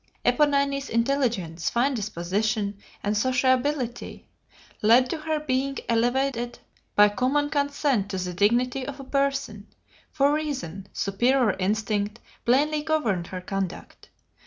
"Eponine's intelligence, fine disposition, and sociability led to her being elevated by common consent to the dignity of a person, for reason, superior instinct, plainly governed her conduct.